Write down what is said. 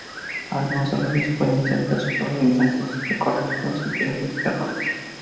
Algunos errores pueden ser el resultado de intentos de corregir los anteriores errores.